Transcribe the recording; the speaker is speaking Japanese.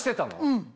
うん。